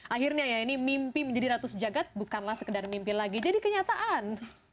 akhirnya ya ini mimpi menjadi ratus jagad bukanlah sekedar mimpi lagi jadi kenyataan